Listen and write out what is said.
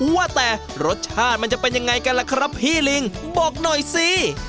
ว่าแต่รสชาติมันจะเป็นยังไงกันล่ะครับพี่ลิงบอกหน่อยสิ